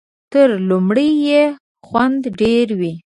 تر لومړي یې خوند ډېر وي .